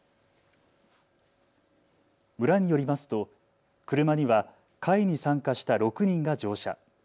村によりますと車には会に参加した６人が乗車。